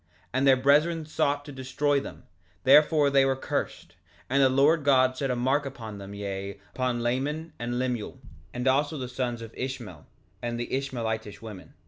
3:7 And their brethren sought to destroy them, therefore they were cursed; and the Lord God set a mark upon them, yea, upon Laman and Lemuel, and also the sons of Ishmael, and Ishmaelitish women.